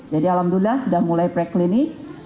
jadi alhamdulillah sudah mulai praklinik